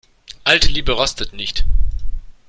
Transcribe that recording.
Alte Liebe rostet nicht.